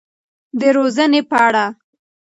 د روزنې په اړه.